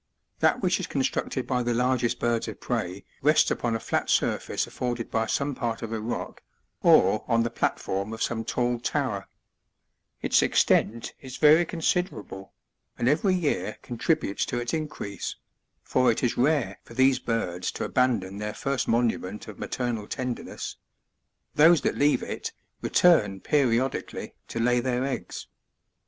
That which is constructed by the largest birds of prey rests upon a flat surface afforded by some part of a rock, or on the platform of some tall tower ; its extent is very considerable, and every year contributes to its increase, for it is rare for these birds to abandon their first monument of maternal tenderness; those that leave it, return periodically to lay their eggs.